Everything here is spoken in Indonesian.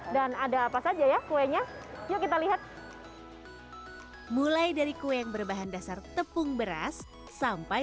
dan ada apa saja ya kuenya yuk kita lihat mulai dari kue yang berbahan dasar tepung beras sampai